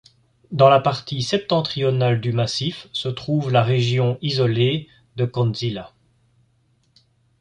Dans la partie septentrionale du massif se trouve la région isolée de Kondžila.